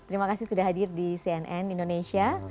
terima kasih sudah hadir di cnn indonesia